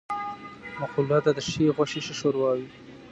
مقوله ده: د ښې غوښې ښه شوروا وي.